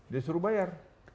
dia suruh bayar